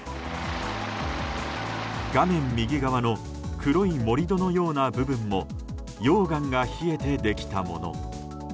画面右側の黒い盛り土のような部分も溶岩が冷えて、できたもの。